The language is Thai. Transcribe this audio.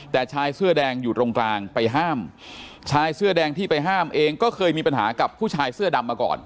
แต่ชายเสื้อแดงอยู่ตรงกลางไปห้ามชายเสื้อแดงที่ไปห้ามเองก็เคยมีปัญหากับผู้ชายเสื้อดำมาก่อน